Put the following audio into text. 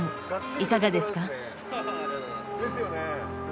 いかがですか？